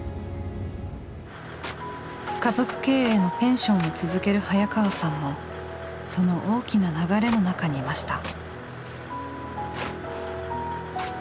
家族経営のペンションを続ける早川さんもその大きな流れの中にいました。